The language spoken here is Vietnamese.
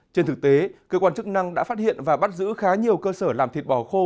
trên thực tế cơ quan chức năng đã phát hiện và bắt giữ khá nhiều cơ sở làm thịt bò khô